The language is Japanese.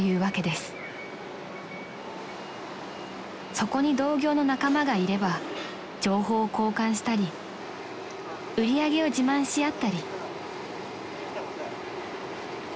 ［そこに同業の仲間がいれば情報を交換したり売り上げを自慢し合ったり］